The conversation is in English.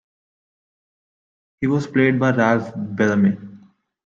He was played by Ralph Bellamy.